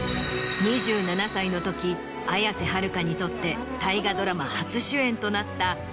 ２７歳のとき綾瀬はるかにとって大河ドラマ初主演となった。